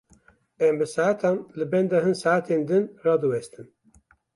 Em bi saetan li benda hin saetên din radiwestin.